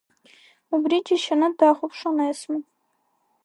Убри џьашьаны дахәаԥшуан Есма.